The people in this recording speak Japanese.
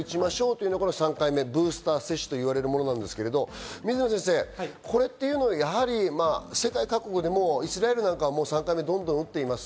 ３回目ということでブースター接種といわれるものですけど水野先生、これというのは、世界各国でも、イスラエルなんかもう３回目をどんどん打ってます。